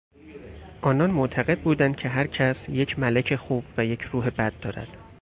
آنان معتقد بودند که هر کس یک ملک خوب و یک روح بد دارد.